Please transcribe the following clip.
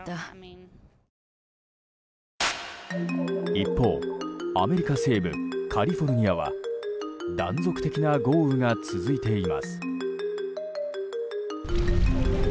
一方、アメリカ西部カリフォルニアは断続的な豪雨が続いています。